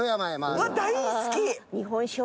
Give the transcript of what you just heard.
うわっ大好き！